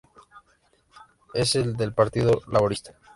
Es del Partido Laborista.